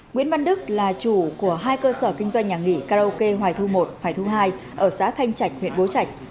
nguyễn văn đức là chủ của hai cơ sở kinh doanh nhà nghỉ karaoke hoài thu một hoài thu hai ở xã thanh trạch huyện bố trạch